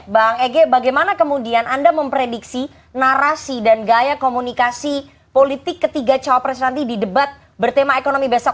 bang ege bagaimana kemudian anda memprediksi narasi dan gaya komunikasi politik ketiga cawapres nanti di debat bertema ekonomi besok